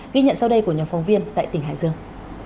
ghi nhận sau đây của nhóm phóng viên tại tỉnh hải dương